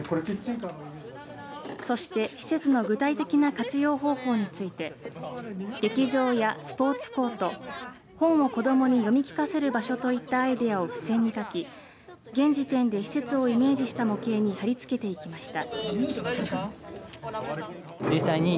そして施設の具体的な活用方法について劇場やスポーツコート本を子どもに読み聞かせる場所といったアイデアを付箋に書き現時点で施設をイメージした模型に貼り付けていきました。